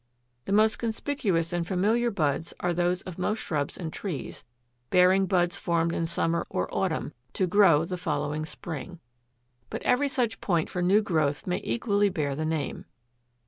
The most conspicuous and familiar buds are those of most shrubs and trees, bearing buds formed in summer or autumn, to grow the following spring. But every such point for new growth may equally bear the name.